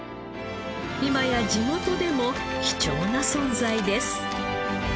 今や地元でも貴重な存在です。